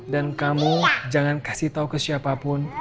dan kamu jangan kasih tahu ke siapapun